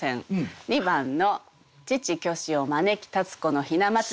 ２番の「父虚子を招き立子の雛まつり」。